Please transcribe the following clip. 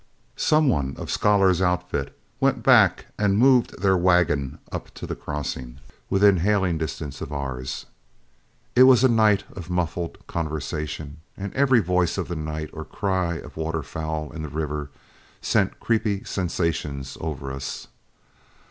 Some one of Scholar's outfit went back and moved their wagon up to the crossing, within hailing distance of ours. It was a night of muffled conversation, and every voice of the night or cry of waterfowl in the river sent creepy sensations over us.